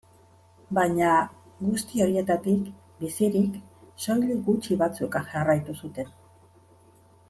Baina, guzti horietatik, bizirik, soilik gutxi batzuk jarraitu zuten.